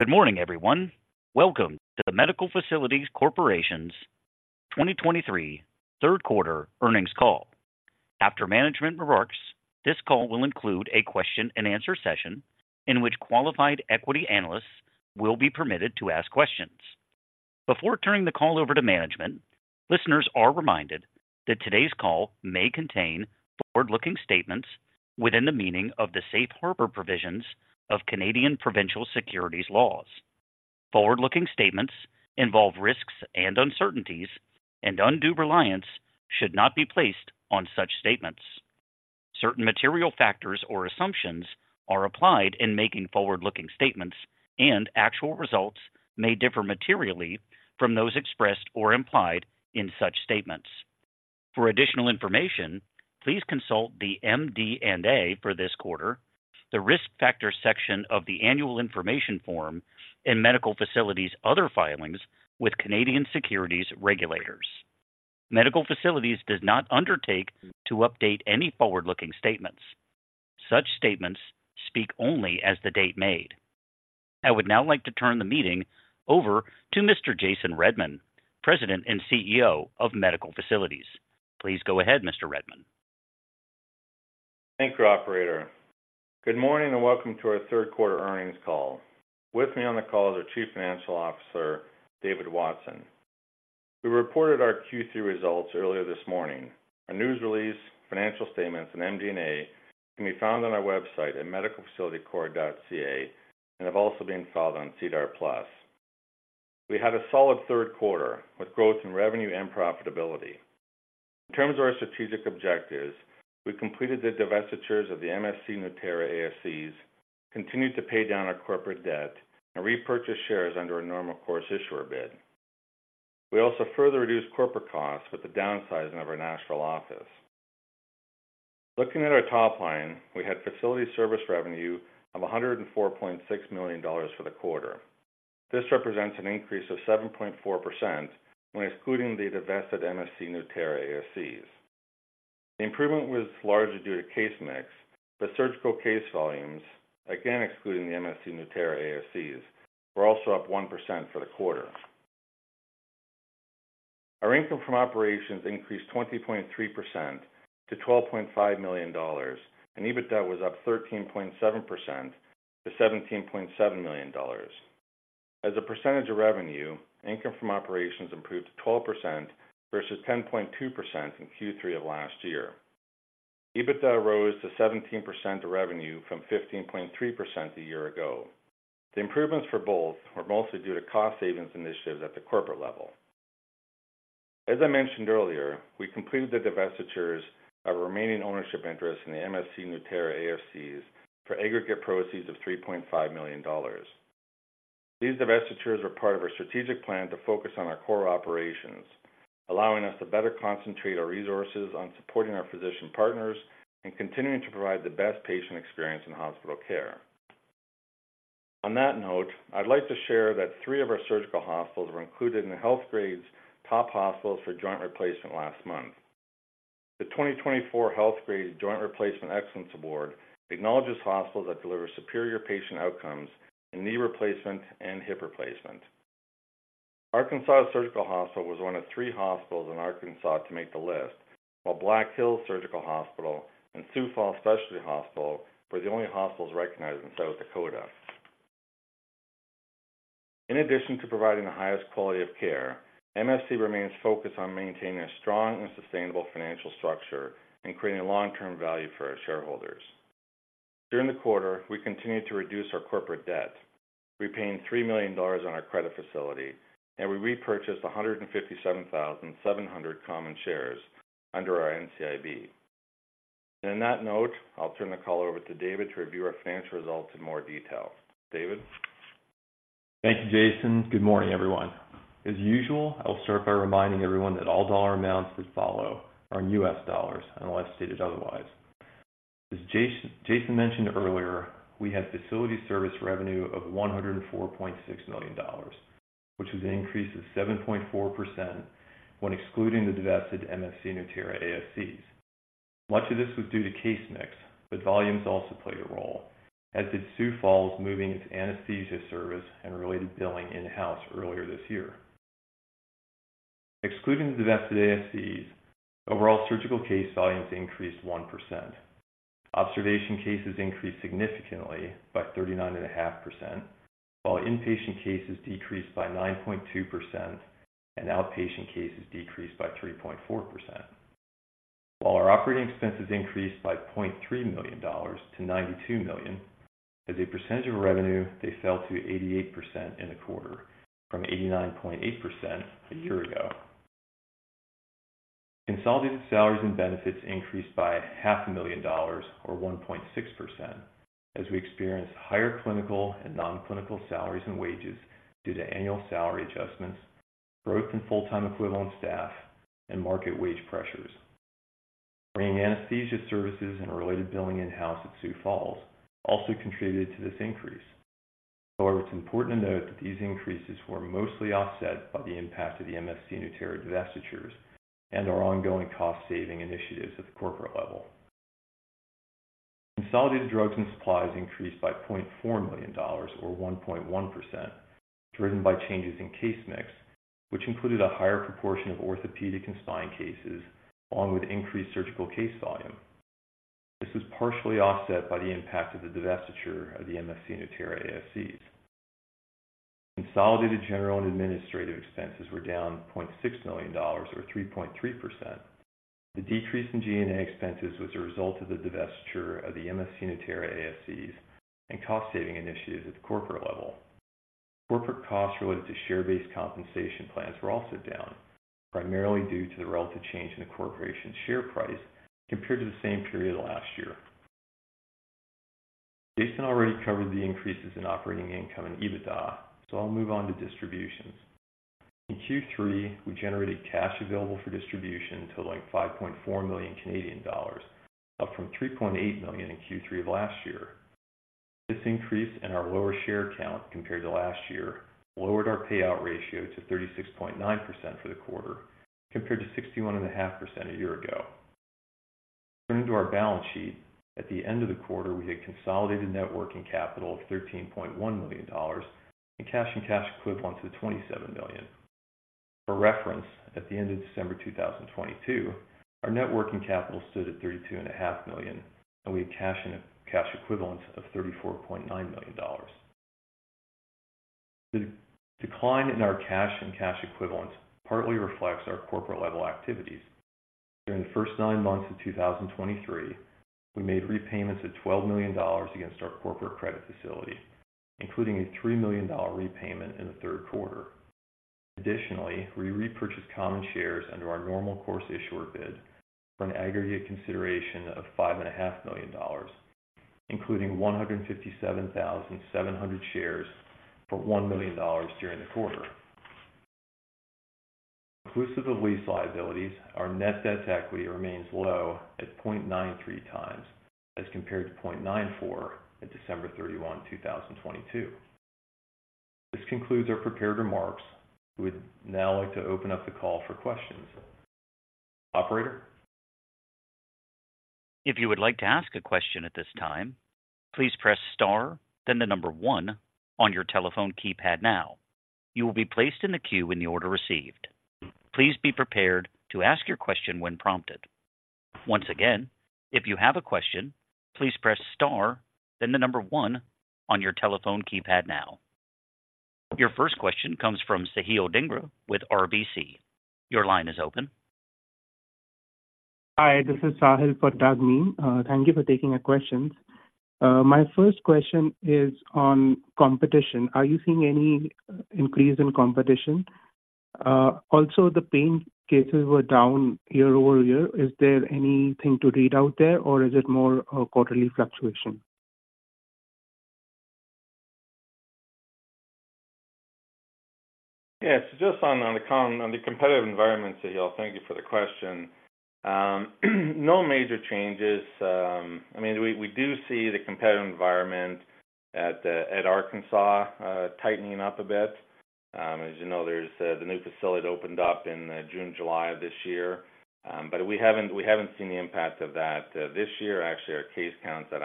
Good morning, everyone. Welcome to the Medical Facilities Corporation's 2023 Third Quarter Earnings Call. After management remarks, this call will include a question-and-answer session in which qualified equity analysts will be permitted to ask questions. Before turning the call over to management, listeners are reminded that today's call may contain forward-looking statements within the meaning of the safe harbor provisions of Canadian provincial securities laws. Forward-looking statements involve risks and uncertainties, and undue reliance should not be placed on such statements. Certain material factors or assumptions are applied in making forward-looking statements, and actual results may differ materially from those expressed or implied in such statements. For additional information, please consult the MD&A for this quarter, the Risk Factors section of the Annual Information Form, and Medical Facilities' other filings with Canadian securities regulators. Medical Facilities does not undertake to update any forward-looking statements. Such statements speak only as the date made. I would now like to turn the meeting over to Mr. Jason Redman, President and CEO of Medical Facilities. Please go ahead, Mr. Redman. Thank you, operator. Good morning, and welcome to our third-quarter earnings call. With me on the call is our Chief Financial Officer, David Watson. We reported our Q3 results earlier this morning. A news release, financial statements, and MD&A can be found on our website at medicalfacilitiescorp.ca and have also been filed on SEDAR+. We had a solid third quarter with growth in revenue and profitability. In terms of our strategic objectives, we completed the divestitures of the MFC NueHealth ASCs, continued to pay down our corporate debt, and repurchase shares under a normal course issuer bid. We also further reduced corporate costs with the downsizing of our national office. Looking at our top line, we had facility service revenue of $104.6 million for the quarter. This represents an increase of 7.4% when excluding the divested MFC Nueterra ASCs. The improvement was largely due to case mix, but surgical case volumes, again excluding the MFC Nueterra ASCs, were also up 1% for the quarter. Our income from operations increased 20.3% to $12.5 million, and EBITDA was up 13.7% to $17.7 million. As a percentage of revenue, income from operations improved to 12% versus 10.2% in Q3 of last year. EBITDA rose to 17% of revenue from 15.3% a year ago. The improvements for both were mostly due to cost savings initiatives at the corporate level. As I mentioned earlier, we completed the divestitures of remaining ownership interest in the MFC Nueterra ASCs for aggregate proceeds of $3.5 million. These divestitures were part of our strategic plan to focus on our core operations, allowing us to better concentrate our resources on supporting our physician partners and continuing to provide the best patient experience in hospital care. On that note, I'd like to share that three of our surgical hospitals were included in the Healthgrades top hospitals for joint replacement last month. The 2024 Healthgrades Joint Replacement Excellence Award acknowledges hospitals that deliver superior patient outcomes in knee replacement and hip replacement. Arkansas Surgical Hospital was one of three hospitals in Arkansas to make the list, while Black Hills Surgical Hospital and Sioux Falls Specialty Hospital were the only hospitals recognized in South Dakota. In addition to providing the highest quality of care, MFC remains focused on maintaining a strong and sustainable financial structure and creating long-term value for our shareholders. During the quarter, we continued to reduce our corporate debt. We paid $3 million on our credit facility, and we repurchased 157,700 common shares under our NCIB. And on that note, I'll turn the call over to David to review our financial results in more detail. David? Thank you, Jason. Good morning, everyone. As usual, I will start by reminding everyone that all dollar amounts that follow are in US dollars, unless stated otherwise. As Jason mentioned earlier, we had facility service revenue of $104.6 million, which is an increase of 7.4% when excluding the divested MFC Nueterra ASCs. Much of this was due to case mix, but volumes also played a role, as did Sioux Falls moving its anesthesia service and related billing in-house earlier this year. Excluding the divested ASCs, overall surgical case volumes increased 1%. Observation cases increased significantly by 39.5%, while inpatient cases decreased by 9.2% and outpatient cases decreased by 3.4%. While our operating expenses increased by $0.3 million-$92 million, as a percentage of revenue, they fell to 88% in the quarter from 89.8% a year ago. Consolidated salaries and benefits increased by $0.5 million or 1.6%, as we experienced higher clinical and non-clinical salaries and wages due to annual salary adjustments, growth in full-time equivalent staff, and market wage pressures. Bringing anesthesia services and related billing in-house at Sioux Falls also contributed to this increase. However, it's important to note that these increases were mostly offset by the impact of the MFC NueHealth divestitures and our ongoing cost-saving initiatives at the corporate level. Consolidated drugs and supplies increased by $0.4 million, or 1.1%, driven by changes in case mix, which included a higher proportion of orthopedic and spine cases, along with increased surgical case volume. This was partially offset by the impact of the divestiture of the MFC NueHealth ASCs. Consolidated general and administrative expenses were down $0.6 million, or 3.3%. The decrease in G&A expenses was a result of the divestiture of the MFC NueHealth ASCs and cost-saving initiatives at the corporate level. Corporate costs related to share-based compensation plans were also down, primarily due to the relative change in the corporation's share price compared to the same period last year. Jason already covered the increases in operating income and EBITDA, so I'll move on to distributions. In Q3, we generated cash available for distribution to like 5.4 million Canadian dollars, up from 3.8 million in Q3 of last year. This increase in our lower share count compared to last year lowered our payout ratio to 36.9% for the quarter, compared to 61.5% a year ago. Turning to our balance sheet, at the end of the quarter, we had consolidated net working capital of $13.1 million, and cash and cash equivalent to $27 million. For reference, at the end of December 2022, our net working capital stood at $32.5 million, and we had cash and cash equivalents of $34.9 million. The decline in our cash and cash equivalents partly reflects our corporate-level activities. During the first nine months of 2023, we made repayments of $12 million against our corporate credit facility, including a $3 million repayment in the third quarter. Additionally, we repurchased common shares under our normal course issuer bid for an aggregate consideration of $5.5 million, including 157,700 shares for $1 million during the quarter. Inclusive of lease liabilities, our net debt to equity remains low at 0.93x as compared to 0.94 at December 31, 2022. This concludes our prepared remarks. We would now like to open up the call for questions. Operator? If you would like to ask a question at this time, please press star, then the number one on your telephone keypad now. You will be placed in the queue in the order received. Please be prepared to ask your question when prompted. Once again, if you have a question, please press star, then the number one on your telephone keypad now. Your first question comes from Sahil Dhingra with RBC. Your line is open. Hi, this is Sahil Dhingra. Thank you for taking the questions. My first question is on competition. Are you seeing any increase in competition? Also, the pain cases were down year-over-year. Is there anything to read out there, or is it more a quarterly fluctuation? Yeah. So just on the competitive environment, Sahil, thank you for the question. No major changes. I mean, we do see the competitive environment at Arkansas tightening up a bit. As you know, there's the new facility that opened up in June, July of this year. But we haven't seen the impact of that. This year, actually, our case counts at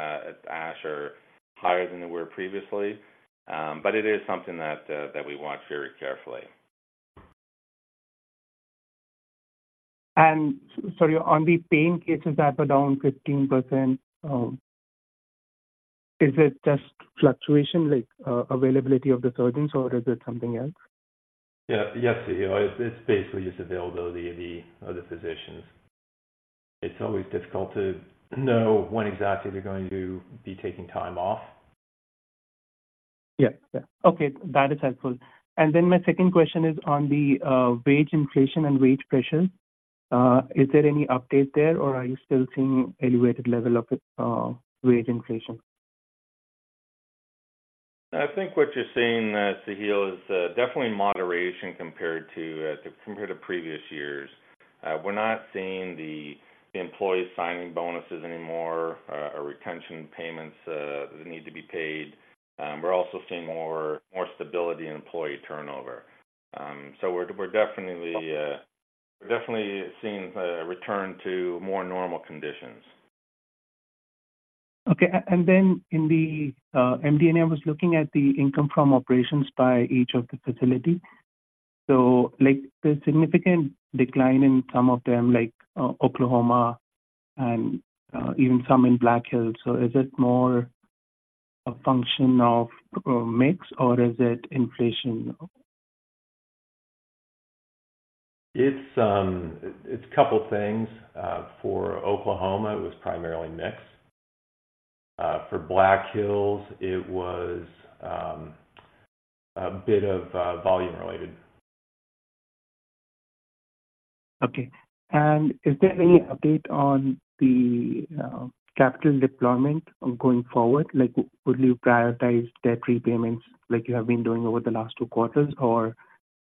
ASH are higher than they were previously. But it is something that we watch very carefully. Sorry, on the pain cases that were down 15%, is it just fluctuation, like, availability of the surgeons, or is it something else? Yeah. Sahil, it's basically just availability of the, of the physicians. It's always difficult to know when exactly they're going to be taking time off. Yeah. Okay, that is helpful. And then my second question is on the wage inflation and wage pressures. Is there any update there, or are you still seeing elevated level of wage inflation? I think what you're seeing, Sahil, is definitely moderation compared to previous years. We're not seeing the employee signing bonuses anymore, or retention payments that need to be paid. We're also seeing more stability in employee turnover. So we're definitely seeing a return to more normal conditions. Okay. And then in the MD&A, I was looking at the income from operations by each of the facility. So, like, the significant decline in some of them, like, Oklahoma, and even some in Black Hills. So is it more a function of mix, or is it inflation? It's a couple things. For Oklahoma, it was primarily mix. For Black Hills, it was a bit of volume- related. Okay. And is there any update on the capital deployment going forward? Like, would you prioritize debt repayments like you have been doing over the last two quarters, or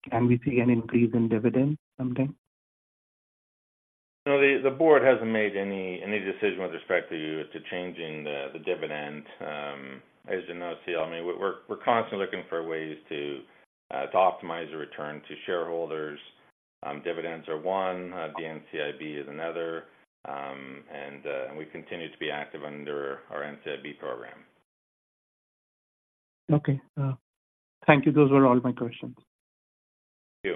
can we see an increase in dividend sometime? No, the board hasn't made any decision with respect to changing the dividend. As you know, Sahil, I mean, we're constantly looking for ways to optimize a return to shareholders. Dividends are one, the NCIB is another, and we continue to be active under our NCIB program. Okay. Thank you. Those were all my questions. Thank you.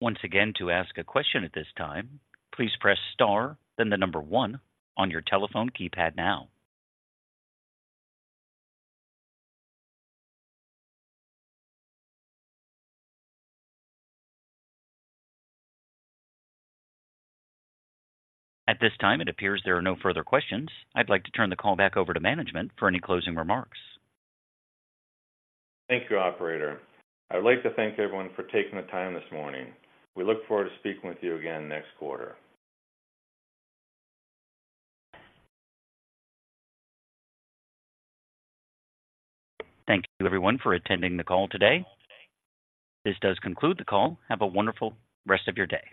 Once again, to ask a question at this time, please press star, then one on your telephone keypad now. At this time, it appears there are no further questions. I'd like to turn the call back over to management for any closing remarks. Thank you, operator. I would like to thank everyone for taking the time this morning. We look forward to speaking with you again next quarter. Thank you, everyone, for attending the call today. This does conclude the call. Have a wonderful rest of your day.